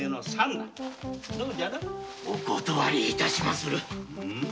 お断り致しまする。